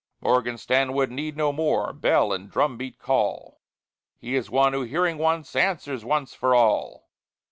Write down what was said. "Morgan Stanwood" need no more Bell and drum beat call; He is one who, hearing once, Answers once for all.